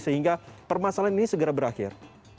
sehingga permasalahan ini segera berakhir